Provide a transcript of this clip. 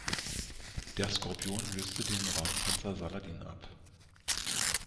Der Scorpion löste den Radpanzer Saladin ab.